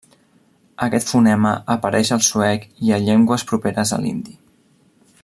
Aquest fonema apareix al suec i a llengües properes a l'hindi.